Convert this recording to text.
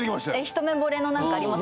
一目ぼれの何かあります？